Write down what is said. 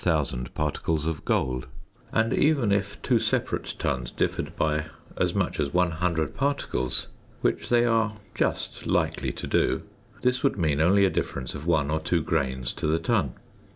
For a ton would contain about 8000 particles of gold; and even if two separate tons differed by as much as 100 particles (which they are just likely to do), this would mean only a difference of 1 or 2 grains to the ton.